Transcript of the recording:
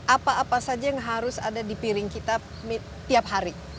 apa apa saja yang harus ada di piring kita tiap hari